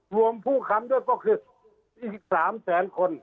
รวมผู้คำด้วยก็คือ๒๓แสนคน